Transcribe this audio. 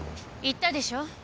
言ったでしょ。